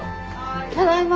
ただいま。